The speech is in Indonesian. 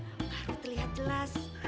harus terlihat jelas